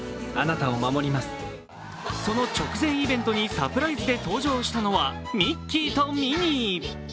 その直前イベントにサプライズで登場したのはミッキーとミニー。